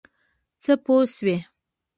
څه پوه شوې.